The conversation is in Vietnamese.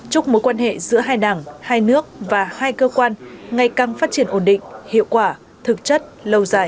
chúc mối quan hệ giữa hai đảng hai nước và hai cơ quan ngày càng phát triển ổn định hiệu quả thực chất lâu dài